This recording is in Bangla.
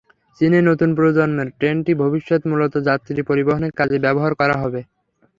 চীনে নতুন প্রজন্মের ট্রেনটি ভবিষ্যতে মূলত যাত্রী পরিবহনের কাজে ব্যবহার করা হবে।